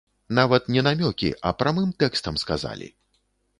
Нават не намёкі, а прамым тэкстам сказалі.